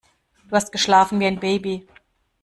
Du hast geschlafen wie ein Baby.